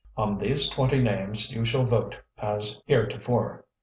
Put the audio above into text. On these twenty names you shall vote as heretofore.